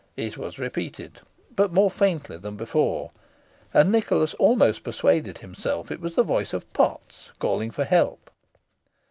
It was repeated, but more faintly than before, and Nicholas almost persuaded himself it was the voice of Potts calling for help.